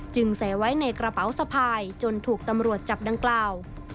ใส่ไว้ในกระเป๋าสะพายจนถูกตำรวจจับดังกล่าว